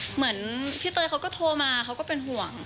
เหมือนพี่เตยเขาก็โทรมาเขาก็เป็นห่วง